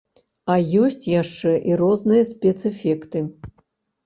А ёсць яшчэ і розныя спецэфекты!